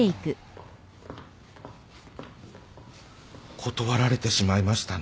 断られてしまいましたね。